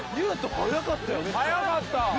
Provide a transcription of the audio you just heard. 速かった！